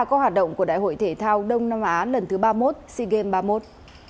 các hoạt động của đại hội thể thao đông nam á lần thứ ba mươi một sea games ba mươi một